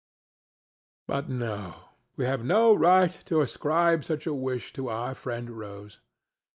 But no; we have no right to ascribe such a wish to our friend Rose.